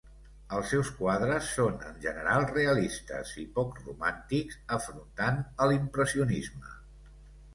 Els seus quadres són en general realistes i poc romàntics, afrontant a l'impressionisme.